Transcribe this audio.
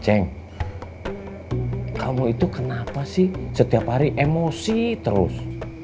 ceng kamu itu kenapa sih setiap hari emosi terus